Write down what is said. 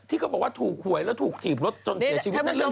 เขาบอกว่าถูกหวยแล้วถูกถีบรถจนเสียชีวิตนั่นเรื่อง